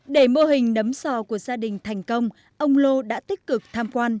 để mô hình nấm sò của gia đình thành công ông lô đã tích cực tham quan